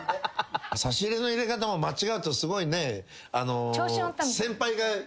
差し入れの入れ方も間違うとすごいね。